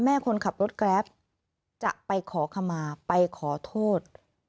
แม่คนขับรถกร้าบจะไปขอขมาไปขอโทษ